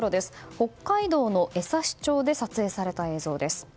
北海道の江差町で撮影された映像です。